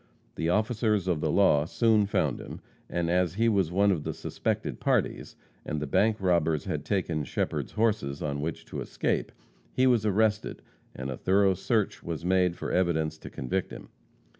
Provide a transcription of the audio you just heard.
The officers of the law soon found him, and as he was one of the suspected parties, and the bank robbers had taken Shepherd's horses on which to escape, he was arrested and a thorough search was made for evidence to convict him.